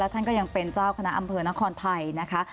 ท่านก็ยังเป็นเจ้าคณะอำเภอนครไทยนะคะ